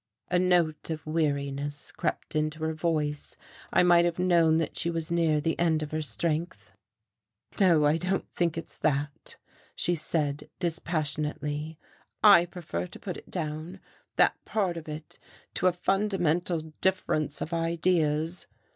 A note of weariness crept into her voice. I might have known that she was near the end of her strength. "No, I don't think it's that," she said dispassionately. "I prefer to put it down, that part of it, to a fundamental difference of ideas.